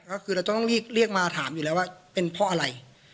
ก็คือเราต้องเรียกมาถามอยู่แล้วว่าเป็นเพราะอะไร